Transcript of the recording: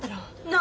何？